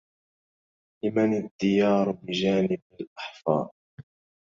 لمن الديار بجانب الأحفار